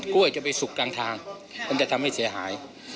กล้วยจะไปสุกกลางทางมันจะทำให้เสียหาย